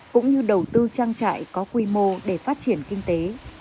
cũng như đầu tư trang trại có quy mô để phát triển kinh tế